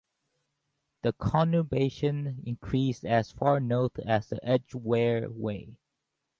The conurbation increased as far north as the Edgware Way.